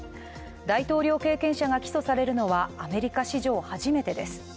大統領経験者が起訴されるのはアメリカ史上初めてです。